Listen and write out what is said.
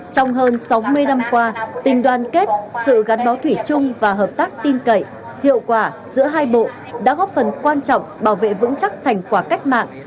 trong hơn sáu mươi năm qua tình đoàn kết sự gắn bó thủy chung và hợp tác tin cậy hiệu quả giữa hai bộ đã góp phần quan trọng bảo vệ vững chắc thành quả cách mạng